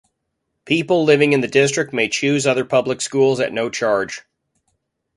People living in the district may choose other public schools at no charge.